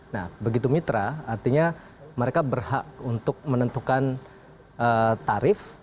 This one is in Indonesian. nah begitu mitra artinya mereka berhak untuk menentukan tarif